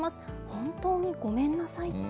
本当にごめんなさい。